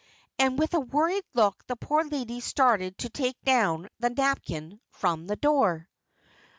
And with a worried look the poor lady started to take down the napkin from the door.